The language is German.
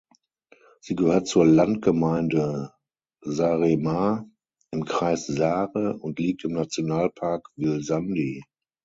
Sie gehört zur Landgemeinde Saaremaa im Kreis Saare und liegt im Nationalpark Vilsandi.